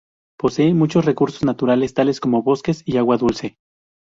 Posee muchos recursos naturales, tales como bosques y agua dulce.